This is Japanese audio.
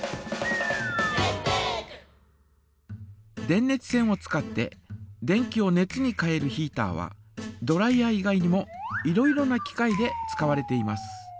電熱線を使って電気を熱に変えるヒータはドライヤー以外にもいろいろな機械で使われています。